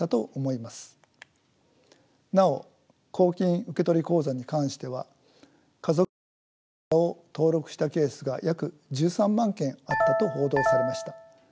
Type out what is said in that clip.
なお公金受取口座に関しては家族名義の口座を登録したケースが約１３万件あったと報道されました。